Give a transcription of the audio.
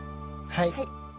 はい。